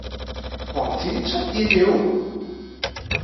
王子出現了